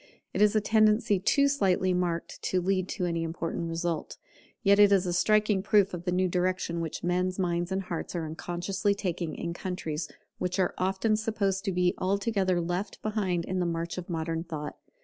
It is a tendency too slightly marked to lead to any important result; yet it is a striking proof of the new direction which men's minds and hearts are unconsciously taking in countries which are often supposed to be altogether left behind in the march of modern thought.